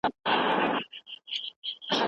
نړيوالو ته يې ور وپېژنو.